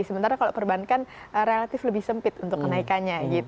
sementara kalau perbankan relatif lebih sempit untuk kenaikannya